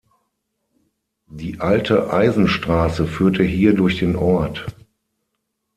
Die alte Eisenstraße führte hier durch den Ort.